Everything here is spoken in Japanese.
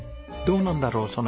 どうなんだろう？